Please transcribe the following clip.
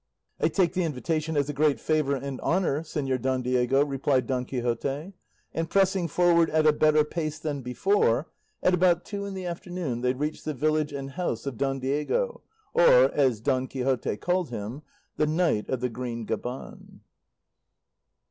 "I take the invitation as a great favour and honour, Señor Don Diego," replied Don Quixote; and pressing forward at a better pace than before, at about two in the afternoon they reached the village and house of Don Diego, or, as Don Quixote called him, "The Knight of the Green Gaban."